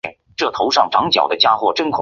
里茨兴是德国萨克森州的一个市镇。